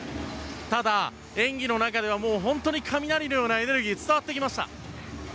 ただ、演技の中では本当に雷のようなエネルギーが伝わってきました。